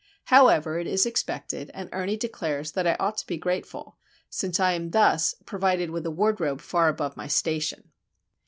However, it is expected; and Ernie declares that I ought to be grateful, since I am thus "provided with a wardrobe far above my station."